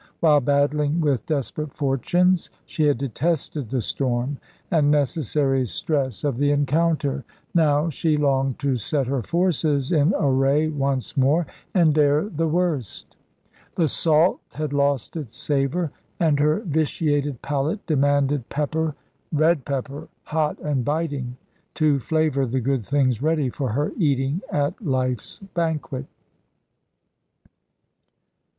While battling with desperate fortunes she had detested the storm and necessary stress of the encounter; now she longed to set her forces in array once more and dare the worst. The salt had lost its savour, and her vitiated palate demanded pepper red pepper, hot and biting to flavour the good things ready for her eating at life's banquet.